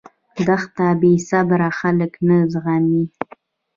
دښته بېصبره خلک نه زغمي.